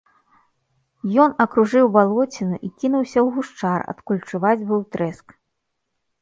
Ён акружыў балоціну і кінуўся ў гушчар, адкуль чуваць быў трэск.